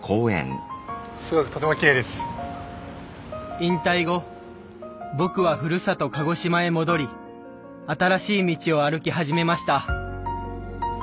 引退後僕はふるさと鹿児島へ戻り新しい道を歩き始めました。